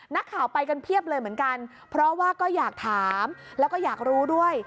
นักข่าวไปกันเพียบเลยเหมือนกันเพราะว่าก็อยากถามแล้วก็อยากรู้ด้วย